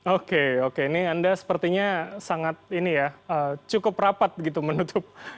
oke oke ini anda sepertinya sangat ini ya cukup rapat gitu menutup